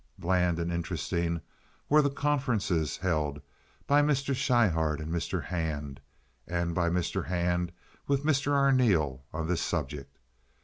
Bland and interesting were the conferences held by Mr. Schryhart with Mr. Hand, and by Mr. Hand with Mr. Arneel on this subject.